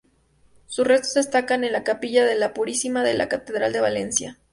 Sus restos descansan en la capilla de la Purísima de la Catedral de Valencia.